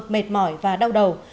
mệt mỏi và đau đầu